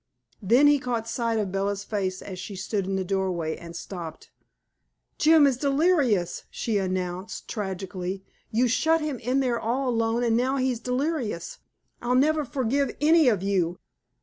Then he caught sight of Bella's face as she stood in the doorway, and stopped. "Jim is delirious!" she announced tragically. "You shut him in there all alone and now he's delirious. I'll never forgive any of you."